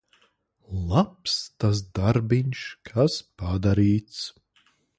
Labs tas darbiņš, kas padarīts.